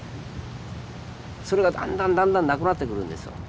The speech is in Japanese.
それがだんだんだんだんなくなってくるんですよ。